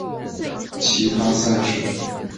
其他赛事